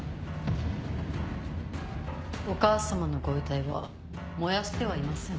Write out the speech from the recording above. お母様のご遺体は燃やしてはいません。